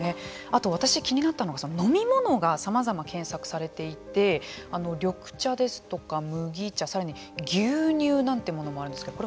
あと私、気になったのが飲み物がさまざま検索されていて緑茶ですとか麦茶、さらには牛乳なんてものもあるんですけど。